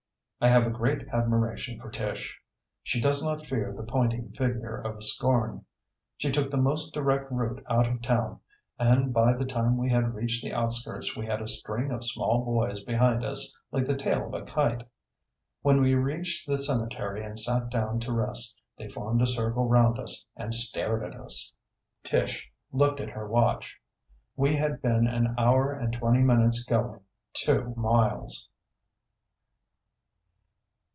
I have a great admiration for Tish. She does not fear the pointing finger of scorn. She took the most direct route out of town, and by the time we had reached the outskirts we had a string of small boys behind us like the tail of a kite. When we reached the cemetery and sat down to rest they formed a circle round us and stared at us. Tish looked at her watch. We had been an hour and twenty minutes going two miles!